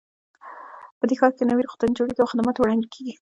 په دې ښار کې نوي روغتونونه جوړیږي او خدمتونه وړاندې کیږي